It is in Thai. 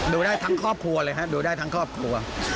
ดูได้ทั้งครอบครัวเลยฮะดูได้ทั้งครอบครัว